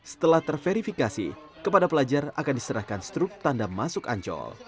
setelah terverifikasi kepada pelajar akan diserahkan struk tanda masuk ancol